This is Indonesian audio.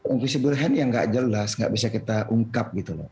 invisible hand ya tidak jelas tidak bisa kita ungkap gitu loh